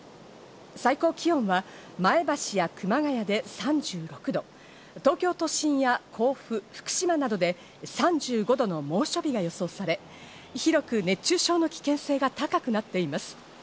最高気温は前橋や熊谷で３６度、東京都心や甲府、福島などで３５度の猛暑日が予想され、広く熱中症の危険性が高くなっています。